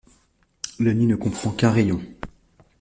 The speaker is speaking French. Le nid ne comprend qu'un rayon.